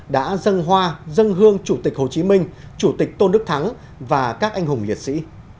đã dâng hoa dân hương chủ tịch hồ chí minh chủ tịch tôn đức thắng và các anh hùng liệt sĩ